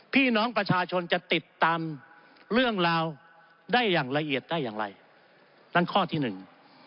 พี่น้องประชาชนจะติดตามเรื่องราวได้อย่างละเอียดได้อย่างไรนั่นข้อที่หนึ่ง